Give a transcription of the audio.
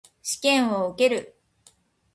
試験を受ける。